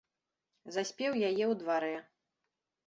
Заспеў яе ў дварэ.